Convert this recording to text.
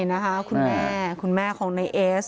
นะคะคุณแม่คุณแม่ของในเอส